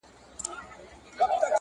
ما ویل زه به ستا ښایستې سینې ته!!